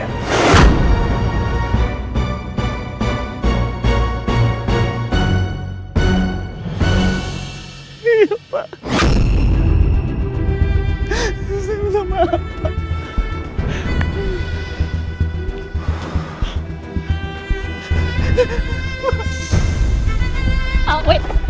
waktunya kingdoms yang terbaik